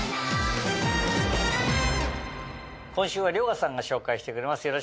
今週は遼河さんが紹介してくれます。